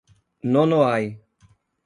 Nonoai